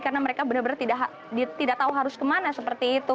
karena mereka benar benar tidak tahu harus kemana seperti itu